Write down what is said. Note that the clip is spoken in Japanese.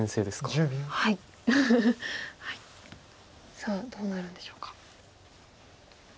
さあどうなるんでしょうか。